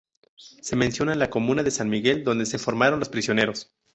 Se menciona la comuna de San Miguel, donde se formaron Los Prisioneros.